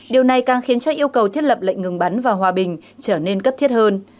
điều này càng khiến cho yêu cầu thiết lập lệnh ngừng bắn và hòa bình trở nên cấp thiết hơn